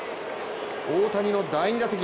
大谷の第２打席。